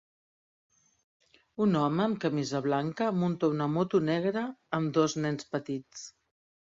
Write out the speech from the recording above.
Un home amb camisa blanca munta una moto negra amb dos nens petits.